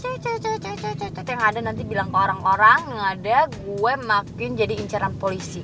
ada yang ada nanti bilang ke orang orang yang ada gue makin jadi incaran polisi